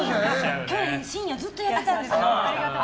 去年深夜にずっとやってたんですよ。